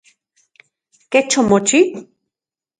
¿Kech omochi?